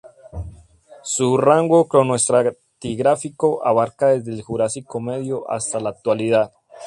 Su rango cronoestratigráfico abarca desde el Jurásico medio hasta la Actualidad.